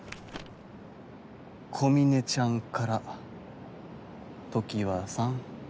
小峰ちゃんから常盤さん